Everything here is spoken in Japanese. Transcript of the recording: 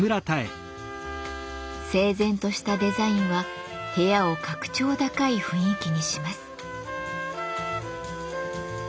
整然としたデザインは部屋を格調高い雰囲気にします。